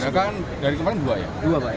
ledakan dari kemarin dua ya